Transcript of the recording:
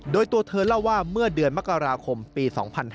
โดยตัวเธอเล่าว่าเมื่อเดือนมกราคมปี๒๕๕๙